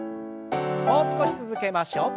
もう少し続けましょう。